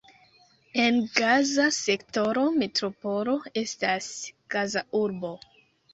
En Gaza sektoro metropolo estas Gaza-urbo.